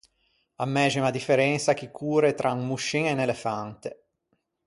A mæxima differensa chi core tra un moscin e un elefante.